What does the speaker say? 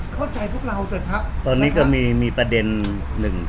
เข้าใจพวกเราแต่ครับตอนนี้ก็มีมีประเด็นหนึ่ง